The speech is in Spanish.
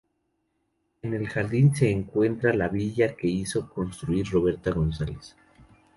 En el jardín se encuentra la villa que hizo construir Roberta González.